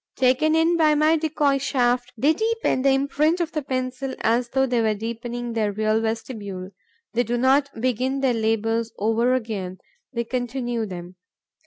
Taken in by my decoy shaft, they deepen the imprint of the pencil as though they were deepening their real vestibule. They do not begin their labours over again; they continue them.